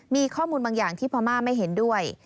มีข้อมูลบางอย่างที่พม่าไม่เห็นด้วย